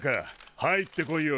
入ってこいよ。